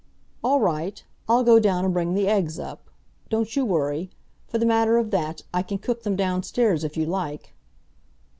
"All right. I'll go down and bring the eggs up. Don't you worry. For the matter of that, I can cook them downstairs if you like."